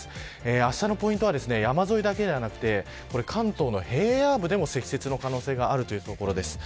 あしたのポイントは山沿いだけでなくて関東の平野部でも積雪の可能性があるということです。